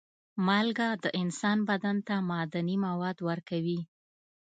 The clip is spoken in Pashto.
مالګه د انسان بدن ته معدني مواد ورکوي.